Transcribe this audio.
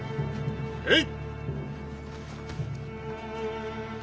へい！